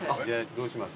どうします？